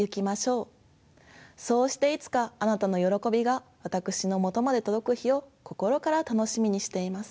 そうしていつかあなたのよろこびが私のもとまで届く日を心から楽しみにしています。